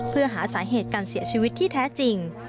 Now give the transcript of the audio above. เพื่อหาสาเหตุการเสียชีวิตที่แท้จริง